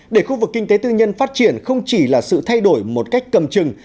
để khu vực kinh tế tư nhân phát triển không chỉ là sự thay đổi một cách cầm chừng